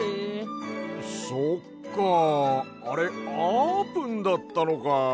そっかあれあーぷんだったのか。